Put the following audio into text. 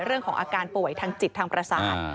เรื่องของอาการป่วยทางจิตทางประสาท